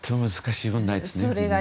難しい問題ですね。